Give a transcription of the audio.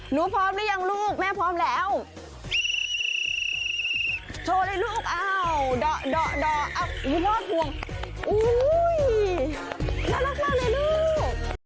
หนูพร้อมหรือยังลูกแม่พร้อมแล้วโชว์เลยลูกด่ออุ้ยพ่อถ่วงน่ารักมากเลยลูก